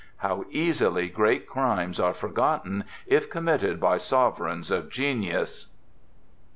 How easily great crimes are forgotten if committed by sovereigns of genius!